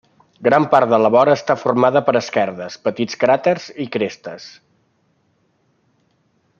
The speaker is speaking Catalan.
Gran part de la vora està format per esquerdes, petits cràters i crestes.